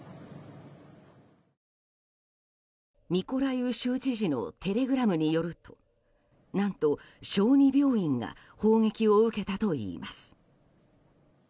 ミコライウ州知事のテレグラムによると何と、小児病院が砲撃を受けたといいます。